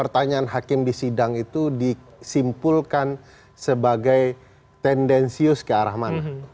dan hakim di sidang itu disimpulkan sebagai tendensius ke arah mana